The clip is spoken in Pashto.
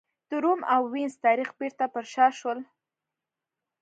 د روم او وینز تاریخ بېرته پر شا شول.